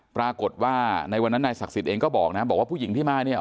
ปรากฏว่าในวันนั้นนายศักดิ์สิทธิ์เองก็บอกเรามีผู้หญิงที่มา